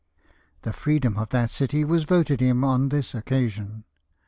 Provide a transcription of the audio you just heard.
The freedom of that city was voted him on this occasion.